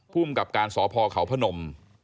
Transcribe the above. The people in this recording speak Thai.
ภูมิกับการสพเขาพนม